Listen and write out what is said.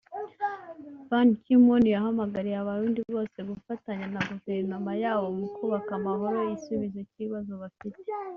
Ban Ki-moon yahamagariye abarundi bose gufatanya na guverinoma yabo mu kubaka amahoro yo isubizo cy’ibibazo bafite